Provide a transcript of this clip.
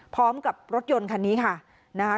พร้อมกับรถยนต์คันนี้ค่ะนะคะ